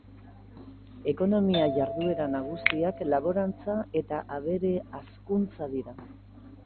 Ekonomia-jarduera nagusiak laborantza eta abere-hazkuntza dira.